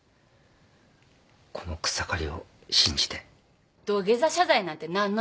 この草刈を信じて土下座謝罪なんて何の意味もないわよ。